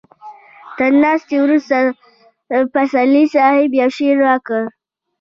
تر ناستې وروسته پسرلي صاحب يو شعر راکړ.